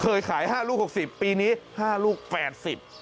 เคยขาย๕ลูก๖๐ปีนี้๕ลูก๘๐บาท